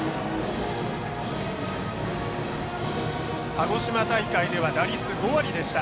鹿児島大会では打率５割でした。